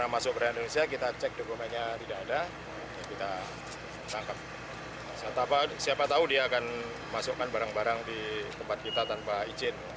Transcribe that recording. masukkan barang barang di tempat kita tanpa izin